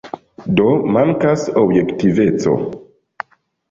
Do, mankas objektiveco.